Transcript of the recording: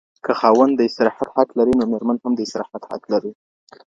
که خاوند د استراحت حق لري، نو ميرمن هم د استراحت حق لري